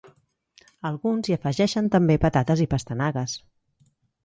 Alguns hi afegeixen també patates i pastanagues.